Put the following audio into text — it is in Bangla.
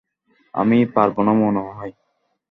আমি পারবোনা মনেহয়।